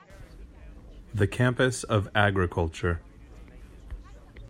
The campus of agriculture.